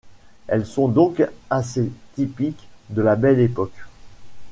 Elles sont donc assez typiques de la belle-époque.